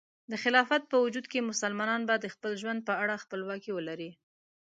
د خلافت په وجود کې، مسلمانان به د خپل ژوند په اړه خپلواکي ولري.